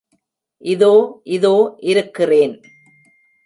இதோ இதோ இருக்கிறேன்.